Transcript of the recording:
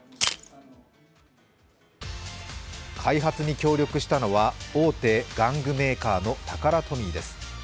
開発に協力したのは大手玩具メーカーのタカラトミーです。